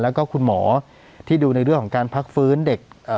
แล้วก็คุณหมอที่ดูในเรื่องของการพักฟื้นเด็ก